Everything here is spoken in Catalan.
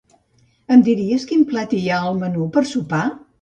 Em diries quin plat hi ha al menú per sopar?